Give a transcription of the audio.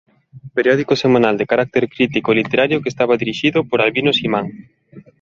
Periódico semanal de carácter crítico e literario que estaba dirixido por Albino Simán.